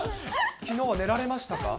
きのう寝られましたか？